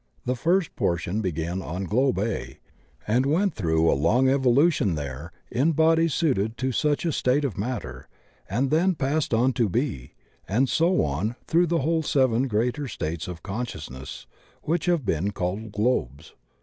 The first portion began on Globe A and went through a long evolution there in bodies suited to such a state of matter, and then passed on to B, and so on through the whole seven greater states of consciousness which have been called globes.